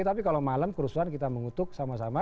tapi kalau malam kerusuhan kita mengutuk sama sama